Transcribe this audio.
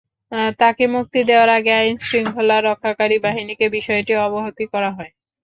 তাঁকে মুক্তি দেওয়ার আগে আইনশৃঙ্খলা রক্ষাকারী বাহিনীকে বিষয়টি অবহিত করা হয়।